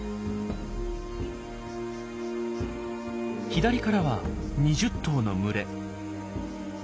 左からは２０頭の群れ。